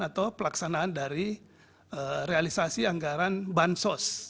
atau pelaksanaan dari realisasi anggaran bansos